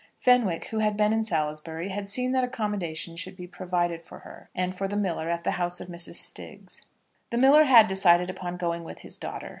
Fenwick, who had been in Salisbury, had seen that accommodation should be provided for her and for the miller at the house of Mrs. Stiggs. The miller had decided upon going with his daughter.